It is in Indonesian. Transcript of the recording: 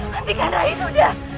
nantikan rai sudah